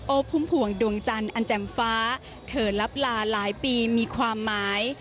พุ่มพวงดวงจันทร์อันแจ่มฟ้าเธอลับลาหลายปีมีความหมาย